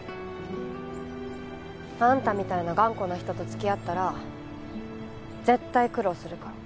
あんたみたいな頑固な人と付き合ったら絶対苦労するから。